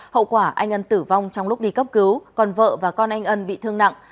hậu quả anh ân tử vong trong lúc đi cấp cứu còn vợ và con anh ân bị thương nặng